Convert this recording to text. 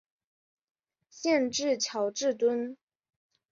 县治乔治敦。